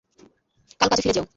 কাল কাজে ফিরে যেও।